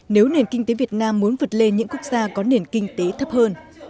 nếu nền kinh tế việt nam muốn vượt lên những quốc gia có nền kinh tế thấp hơn